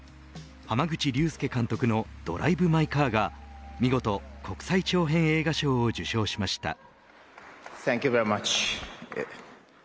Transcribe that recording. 濱口竜介監督のドライブ・マイ・カーが見事、国際長編映画賞を授賞しました。